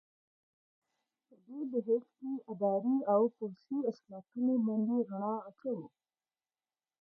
په دې بحث کې اداري او پوځي اصلاحاتو باندې رڼا اچوو.